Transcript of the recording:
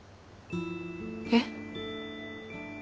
えっ？